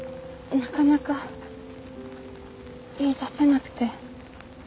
なかなかわた渡せなくて。